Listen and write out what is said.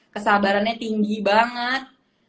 kesabarannya tinggi banget